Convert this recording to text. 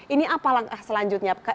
ini apa langkah selanjutnya